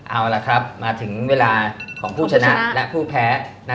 เอาล่ะครับมาถึงเวลาของผู้ชนะและผู้แพ้